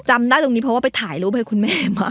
จำได้ตรงนี้เพราะว่าไปถ่ายรูปให้คุณแม่มา